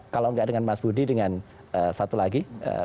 kalau enggak dengan mas budi dengan satu lagi